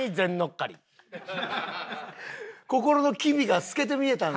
心の機微が透けて見えたんですね。